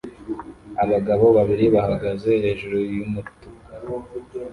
Abagabo babiri bahagaze hejuru yumutuku